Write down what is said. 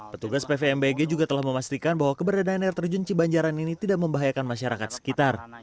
petugas pvmbg juga telah memastikan bahwa keberadaan air terjun cibanjaran ini tidak membahayakan masyarakat sekitar